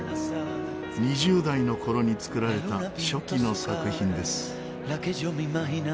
２０代の頃に造られた初期の作品です。